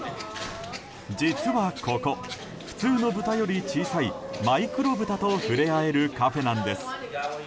実はここ、普通のブタより小さいマイクロブタと触れ合えるカフェなんです。